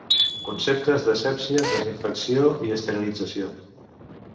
Conceptes d'asèpsia, desinfecció i esterilització.